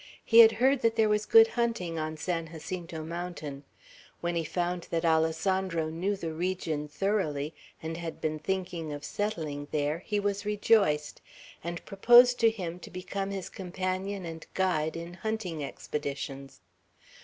He had heard that there was good hunting on San Jacinto Mountain. When he found that Alessandro knew the region thoroughly, and had been thinking of settling there, he was rejoiced, and proposed to him to become his companion and guide in hunting expeditions.